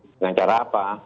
dengan cara apa